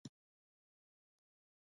د تګاب انار مشهور دي